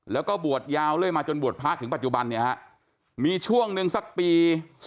แล้วก็บวชยาวเรื่อยมาจนบวชพระถึงปัจจุบันเนี่ยฮะมีช่วงหนึ่งสักปี๒๕๖